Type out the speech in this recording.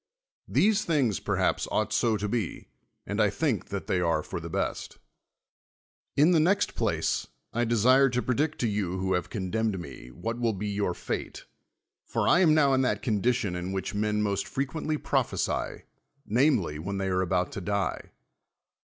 These things, perhaps, ought so to ])e, and T think that they are for tlie best. In the next ])lace, I desii'e to predict to you who have condemned me, \vliat will be your fate: for r am now in that condition in which men most freciuently prophesy, namel>', when they arc al)out to die.